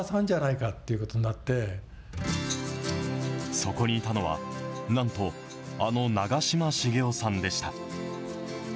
そこにいたのは、なんと、あの長嶋茂雄さんでした。